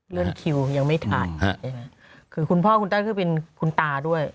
เรื่องคิวยังไม่ถาดคือคุณพ่อพี่ด้านซั่งเป็นคุณตาด้วย